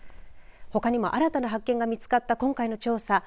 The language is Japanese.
ほかにも新たな発見が見つかった今回の調査